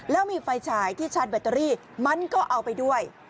แล้วมีไฟฉายที่ชาร์จแบตเตอรี่มันก็เอาไปด้วย